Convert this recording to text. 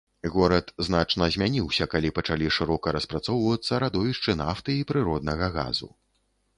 Горад значна змяніўся калі пачалі шырока распрацоўвацца радовішчы нафты і прыроднага газу.